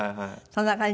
そんな感じ？